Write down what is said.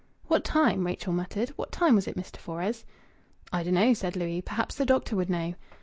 "What time?" Rachel muttered. "What time was it, Mr. Fores?" "I dun'no'," said Louis. "Perhaps the doctor would know."